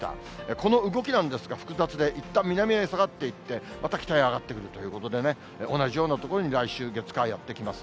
この動きなんですが、複雑で、いったん南へ下がっていって、また北へ上がってくるということで、同じような所に来週月、火、やって来ます。